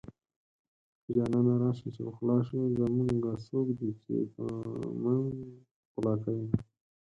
جانانه راشه چې پخلا شو زمونږه څوک دي چې به مونږ پخلا کوينه